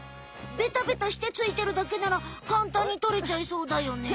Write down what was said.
ベタベタしてついてるだけならかんたんにとれちゃいそうだよね。